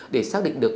để xác định được